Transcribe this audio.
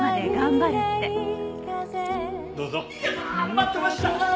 待ってました！